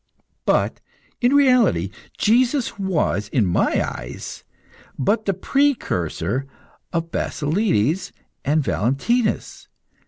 But, in reality, Jesus was, in my eyes, but the precursor of Basilides and Valentinus.